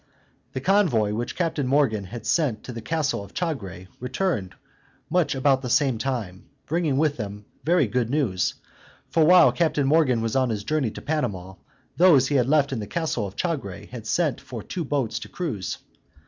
The convoy which Captain Morgan had sent to the castle of Chagre returned much about the same time, bringing with them very good news; for while Captain Morgan was on his journey to Panama, those he had left in the castle of Chagre had sent for two boats to cruise.